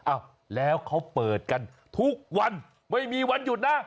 อ้าวแล้วเขาเปิดกันทุกวันไม่มีวันหยุดนะ